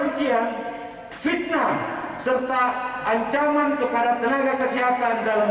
di media sosial tentang adanya tuduhan kepada tenaga kesehatan